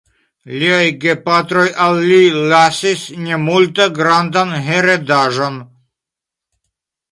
Liaj gepatroj al li lasis ne multe grandan heredaĵon.